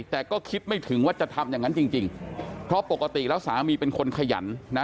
แต่ก็คิดไม่ถึงว่าจะทำอย่างนั้นจริงเพราะปกติแล้วสามีเป็นคนขยันนะ